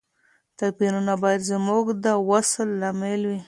توپیرونه باید زموږ د وصل لامل وي.